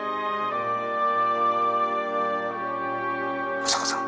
保坂さん